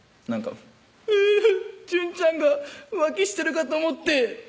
「うぅ淳ちゃんが浮気してるかと思って」